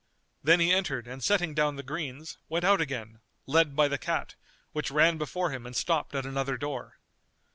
Then he entered and setting down the greens, went out again, led by the cat, which ran before him and stopped at another door.